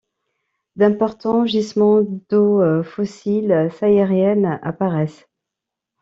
D'importants gisements d'eaux fossiles sahariennes apparaissent.